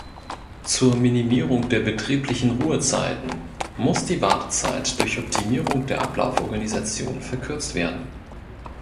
Zur Minimierung der betrieblichen Ruhezeiten muss die Wartezeit durch Optimierung der Ablauforganisation verkürzt werden.